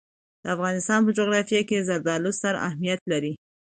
د افغانستان په جغرافیه کې زردالو ستر اهمیت لري.